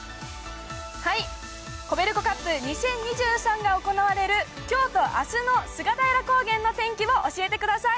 コベルコカップ２０２３が行われる、きょうとあすの菅平高原の天気を教えてください。